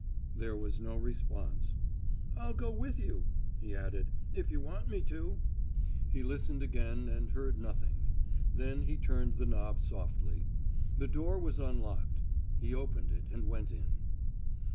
There was no response. "I'll go with you," he added, "if you want me to." He listened again and heard nothing. Then he turned the knob softly. The door was unlocked; he opened it and went in.